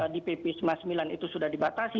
di pp sembilan itu sudah dibatasi